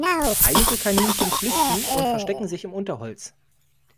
Einige Kaninchen flüchten und verstecken sich im Unterholz.